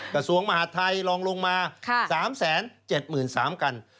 กระทรวงมหาดไทยลองลงมา๓๗๓๐๐กัน